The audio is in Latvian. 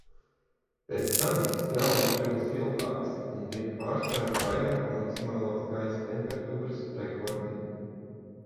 Pēc tam strauji kļuva siltāks, un tika pārspēti vairāki maksimālās gaisa temperatūras rekordi.